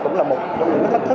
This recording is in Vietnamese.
cũng là một trong những thách thức